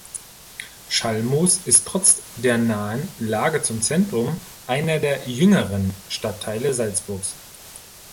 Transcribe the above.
Schallmoos ist trotz der nahen Lage zum Zentrum einer der jüngeren Stadtteile Salzburgs.